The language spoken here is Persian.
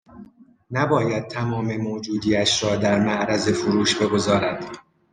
نباید تمام موجودی اش را در معرض فروش بگذارد